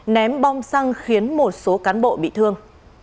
ném bom xăng khiến một số cán bộ bị thương